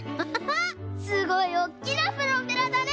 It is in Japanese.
すごいおっきなプロペラだね！